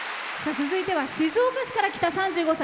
続いては静岡市から来た３５歳。